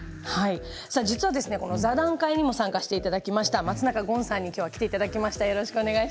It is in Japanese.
実は、この座談会にも参加していただきました松中権さんに来ていただきました。